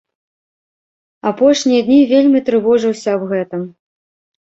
Апошнія дні вельмі трывожыўся аб гэтым.